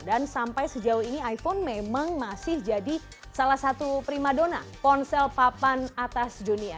dan sampai sejauh ini iphone memang masih jadi salah satu prima dona ponsel papan atas dunia